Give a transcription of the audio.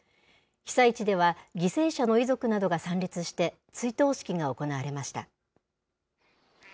被災地では、犠牲者の遺族などが参列して、追悼式が行われました。